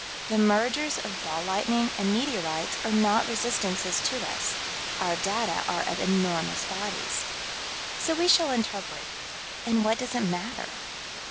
The mergers of ball lightning and meteorites are not resistances to us: our data are of enormous bodies. So we shall interpret and what does it matter?